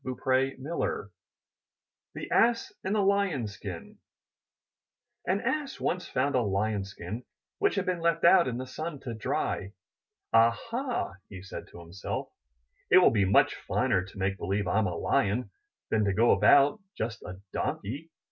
* 244 IN THE NURSERY THE ASS IN THE LION^S SKIN Adapted from Aesop An Ass once found a Lion's skin which had been left out in the sun to dry. ^'AhaT' he said to himself. 'It will be much finer to make believe Fm a Lion, than to go about just a Donkey.